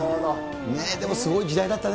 ねえ、でも、すごい時代だったね。